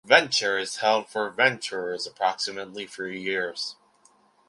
Venture is held for Venturers approximately three years.